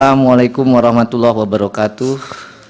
assalamu alaikum warahmatullahi wabarakatuh